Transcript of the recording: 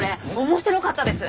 面白かったです！